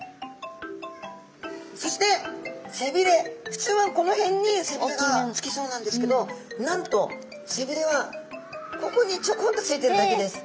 普通はこの辺に背びれが付きそうなんですけどなんと背びれはここにちょこんと付いてるだけです。